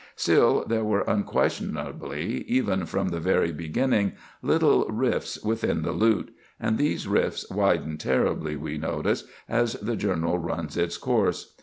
Still there were unquestionably, even from the very beginning, little rifts within the lute, and these rifts widen terribly, we notice, as the journal runs its course.